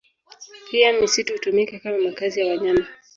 Pia misitu hutumika kama makazi ya wanyama